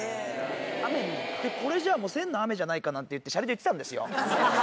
雨にこれじゃあもう「千の雨」じゃないかなんて言ってしゃれで言ってたんですよ。